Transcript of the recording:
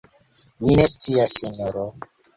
Mi ne scias, sinjoro.